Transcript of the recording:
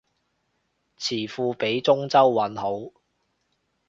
詞庫畀中州韻好